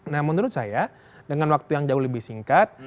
nah menurut saya dengan waktu yang jauh lebih singkat